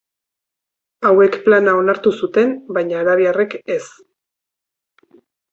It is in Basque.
Hauek plana onartu zuten, baina arabiarrek ez.